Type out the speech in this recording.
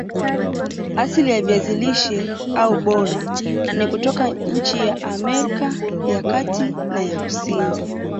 Asili ya viazi lishe au bora ni kutoka nchi ya Amerika ya Kati na ya Kusini